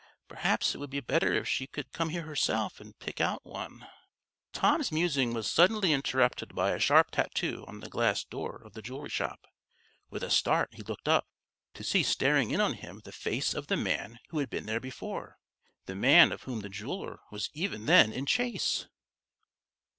Perhaps it would be better if she could come here herself and pick out one " Tom's musing was suddenly interrupted by a sharp tattoo on the glass door of the jewelry shop. With a start, he looked up, to see staring in on him the face of the man who had been there before the man of whom the jeweler was even then in chase.